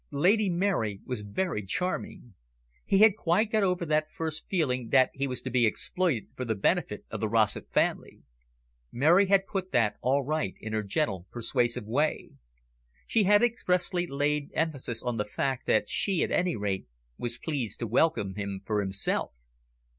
Lady Mary was very charming. He had quite got over that first feeling that he was to be exploited for the benefit of the Rossett family. Mary had put that all right, in her gentle, persuasive way. She had expressly laid emphasis on the fact that she, at any rate, was pleased to welcome him for himself.